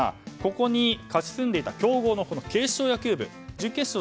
ここに勝ち進んでいた強豪の警視庁野球部準決勝